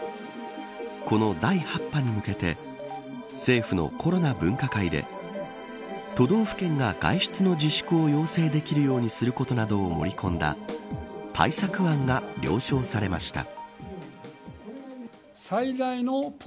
この第８波に向けて政府のコロナ分科会で都道府県が外出の自粛を要請できるようにすることなどを盛り込んだ対策案が了承されました。